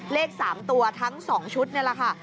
เลข๓ตัวทั้ง๒ชุดนี่แหละค่ะ